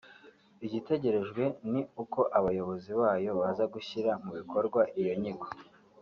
Igitegerejwe ni uko abakozi bayo baza gushyira mu bikorwa iyo nyigo